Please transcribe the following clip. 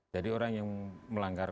jadi orang yang melanggar